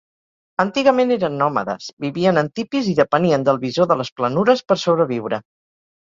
Antigament eren nòmades, vivien en tipis i depenien del bisó de les planures per sobreviure.